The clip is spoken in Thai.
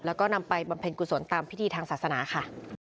แล้วก็นำไปบำเพ็ญกุศลตามพิธีทางศาสนาค่ะ